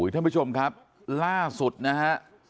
ท่านผู้ชมครับล่าสุดนะฮะ